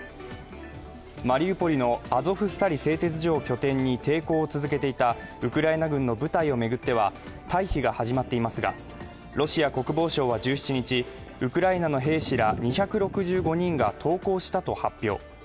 マリウポリのアゾフスタリ製鉄所を拠点に抵抗を続けていたウクライナ軍の部隊を巡っては退避が始まっていますが、ロシア国防省は１７日、ウクライナの兵士ら２６５人が投降したと発表。